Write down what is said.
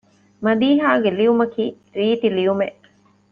މަދީޙާގެ ލިޔުމަކީ ރީތި ލިޔުމެއް